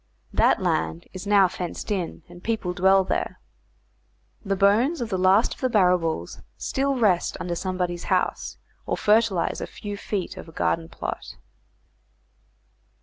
That land is now fenced in, and people dwell there. The bones of the last of the Barrabools still rest under somebody's house, or fertilise a few feet of a garden plot.